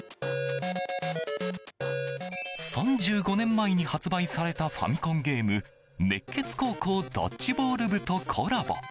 ３５年前に発売されたファミコンゲーム「熱血高校ドッジボール部」とコラボ。